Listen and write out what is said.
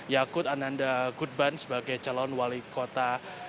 yakut ananda gudban sebagai calon wale kota